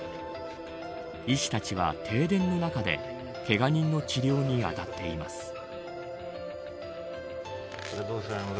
医師たちは停電の中でけが人の治療にあたっています。